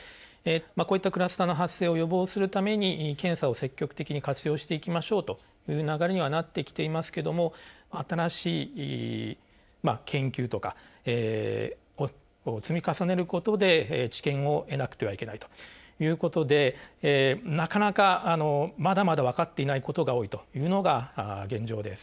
こういったクラスターの発生を予防するために検査を積極的に活用していきましょうという流れにはなってきていますけども新しい研究とかを積み重ねることで知見を得なくてはいけないということでなかなかまだまだ分かっていないことが多いというのが現状です。